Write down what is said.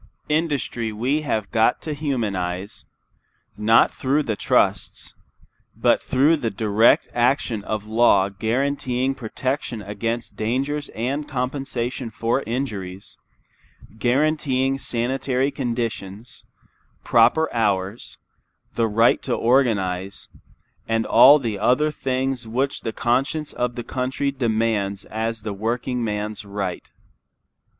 Industry we have got to humanize, not through the trusts, but through the direct action of law guaranteeing protection against dangers and compensation for injuries, guaranteeing sanitary conditions, proper hours, the right to organize, and all the other things which the conscience of the country demands as the workingman's right.